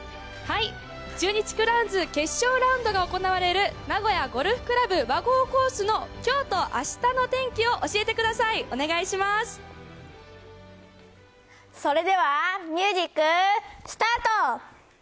中日クラウンズ決勝ラウンドが行われる、名古屋ゴルフ倶楽部和合コースのきょうとあすの天気を教えてくだそれでは、ミュージックスタート。